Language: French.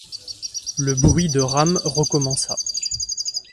Le bruit de rames recommença.